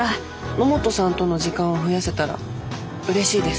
野本さんとの時間を増やせたらうれしいです。